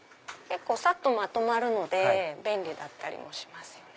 さっとまとまるので便利だったりもしますよね。